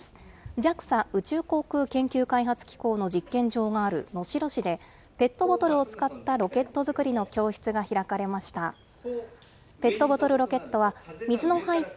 ＪＡＸＡ・宇宙航空研究開発機構の実験場がある能代市で、ペットボトルを使ったロケット作りの教室が開かれました。